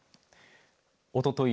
おととい